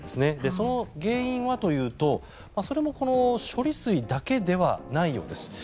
その原因はというと、それも処理水だけではないようです。